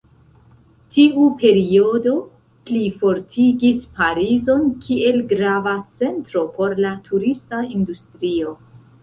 Tiu periodo plifortigis Parizon kiel grava centro por la turista industrio.